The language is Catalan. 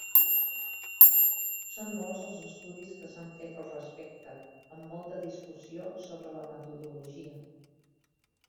Són molts els estudis que s'han fet al respecte, amb molta discussió sobre la metodologia.